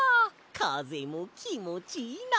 かぜもきもちいいな。